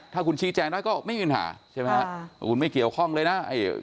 ถ้าคุณชี้แจงได้ก็ไม่มีปัญหาใช่ไหมฮะคุณไม่เกี่ยวข้องเลยนะ